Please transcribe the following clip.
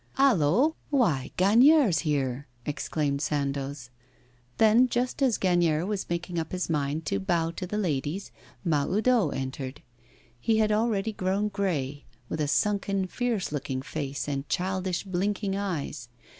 'Hallo! Why, Gagnière's here!' exclaimed Sandoz. Then, just as Gagnière was making up his mind to bow to the ladies, Mahoudeau entered. He had already grown grey, with a sunken, fierce looking face and childish, blinking eyes.